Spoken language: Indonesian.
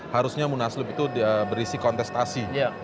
harusnya munaslup itu berisi kontestasi